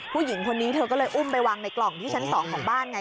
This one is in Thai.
ผู้หญิงคนนี้เธอก็เลยอุ้มไปวางในกล่องที่ชั้น๒ของบ้านไง